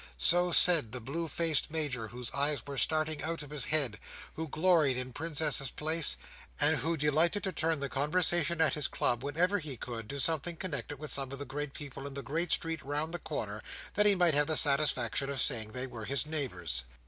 So said the blue faced Major, whose eyes were starting out of his head: who gloried in Princess's Place: and who delighted to turn the conversation at his club, whenever he could, to something connected with some of the great people in the great street round the corner, that he might have the satisfaction of saying they were his neighbours.